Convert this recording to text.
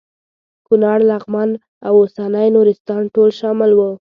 کونړ لغمان او اوسنی نورستان ټول شامل وو.